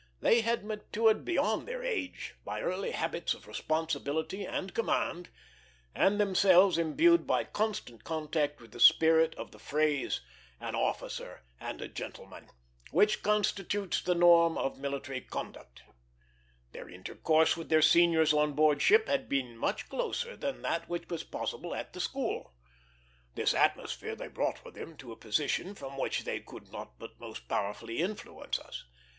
They were matured beyond their age by early habits of responsibility and command, and themselves imbued by constant contact with the spirit of the phrase "an officer and a gentleman," which constitutes the norm of military conduct. Their intercourse with their seniors on board ship had been much closer than that which was possible at the school. This atmosphere they brought with them to a position from which they could not but most powerfully influence us.